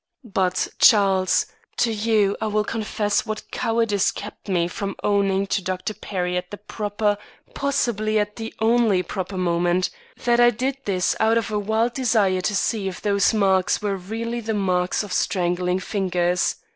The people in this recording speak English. But, Charles, to you I will confess what cowardice kept me from owning to Dr. Perry at the proper, possibly at the only proper moment, that I did this out of a wild desire to see if those marks were really the marks of strangling fingers.